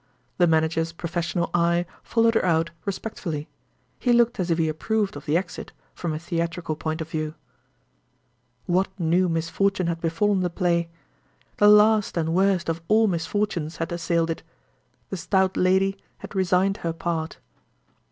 The manager's professional eye followed her out respectfully—he looked as if he approved of the exit, from a theatrical point of view. What new misfortune had befallen the play? The last and worst of all misfortunes had assailed it. The stout lady had resigned her part.